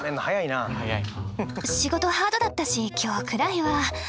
仕事ハードだったし今日くらいは。